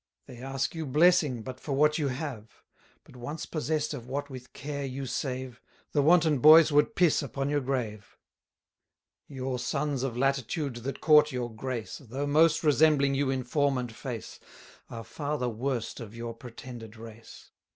They ask you blessing but for what you have; But once possess'd of what with care you save, The wanton boys would piss upon your grave. Your sons of latitude that court your grace, 160 Though most resembling you in form and face. Are far the worst of your pretended race.